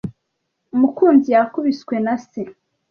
Mukunzi yakubiswe na se.